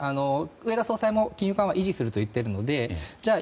植田総裁も金融緩和を維持するといっていますがじゃあ